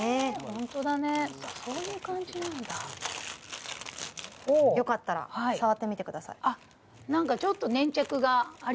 ホントだねそういう感じなんだよかったら触ってみてくださいあっなんかで？